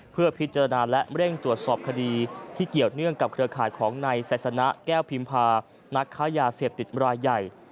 เพื่อพิจารณาและเร่งตรวจสอบคดีที่เกี่ยวเนื่องกับเครือข่ายของนายไซสนะแก้วพิมพานักค้ายาเสพติดรายใหญ่